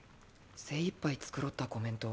精いっぱい繕ったコメント